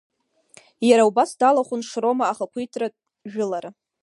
Иара убас далахәын Шрома ахақәиҭтәратә жәылара.